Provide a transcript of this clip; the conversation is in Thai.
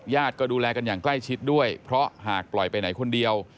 ก็ดูแลกันอย่างใกล้ชิดด้วยเพราะหากปล่อยไปไหนคนเดียว